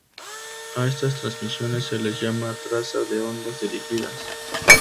A estas transmisiones se les llama 'traza de ondas dirigidas'.